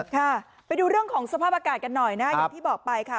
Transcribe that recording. ค่ะไปดูเรื่องของสภาพอากาศกันหน่อยนะอย่างที่บอกไปค่ะ